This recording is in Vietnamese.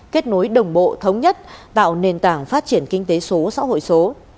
kết nối đồng bộ thống nhất tạo nền tảng phát triển kinh tế số xã hội số